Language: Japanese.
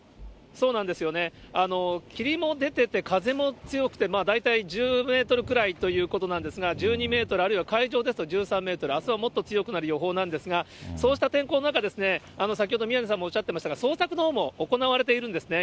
霧も出てて、風も強くて、大体１０メートルくらいということなんですが、１２メートル、あるいは海上ですと１３メートル、あすはもっと強くなる予報なんですが、そうした天候の中、先ほど宮根さんもおっしゃってましたが、捜索のほうも行われているんですね。